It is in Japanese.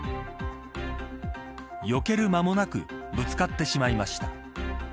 よける間もなくぶつかってしまいました。